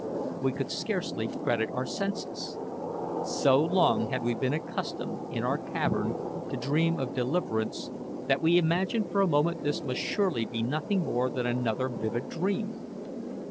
We could scarcely credit our senses. So long had we been accustomed, in our cavern, to dream of deliverance, that we imagined for a moment this must surely be nothing more than another vivid dream.